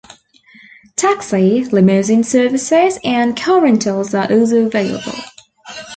Taxi, limousine services, and car rentals are also available.